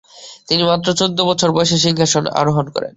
তিনি মাত্র চৌদ্দ বছর বয়সে সিংহাসনে আরোহণ করেন।